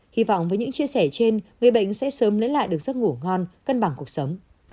hy vọng với những chia sẻ trên người bệnh sẽ sớm lấy lại được giấc ngủ ngon cân bằng cuộc sống